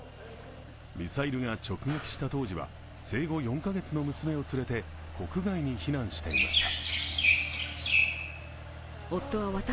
ミサイルが直撃した当時は生後４カ月の娘を連れて国外に避難していました。